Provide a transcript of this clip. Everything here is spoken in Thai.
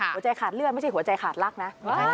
หัวใจขาดเลือดไม่ใช่หัวใจขาดรักนะ